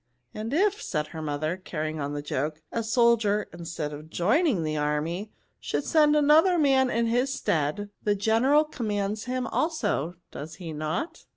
" And if," said her mother, carrying on the joke, a soldier, instead of joining the army, should send another man in his stead, the general commands him also, does be not?''